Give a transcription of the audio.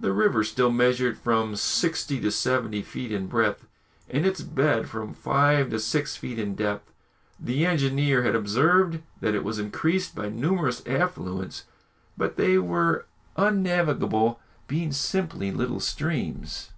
The river still measured from sixty to seventy feet in breadth, and its bed from five to six feet in depth. The engineer had observed that it was increased by numerous affluents, but they were unnavigable, being simply little streams.